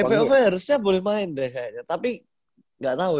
ppop harusnya boleh main deh kayaknya tapi gak tau ya